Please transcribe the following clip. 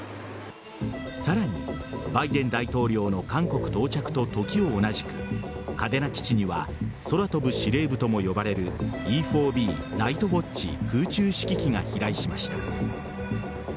さらにバイデン大統領の韓国到着と時を同じく嘉手納基地には空飛ぶ司令部とも呼ばれるＥ‐４Ｂナイトウォッチ空中指揮機が飛来しました。